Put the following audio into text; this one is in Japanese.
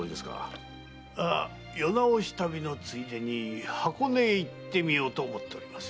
世直し旅のついでに箱根へ行ってみようと思っております。